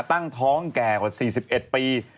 ตั้งท้องแก่กว่า๔๑ปี